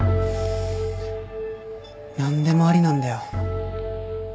何でもありなんだよ。